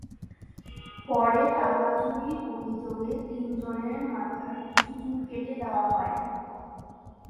পরে টাকা চুরির অভিযোগে তিনজনের মাথার কিছু চুল কেটে দেওয়া হয়।